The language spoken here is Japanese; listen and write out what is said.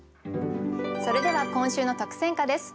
それでは今週の特選歌です。